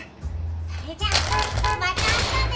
それじゃあまたあしたね。